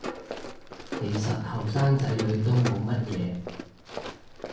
其實後生仔女都冇乜嘢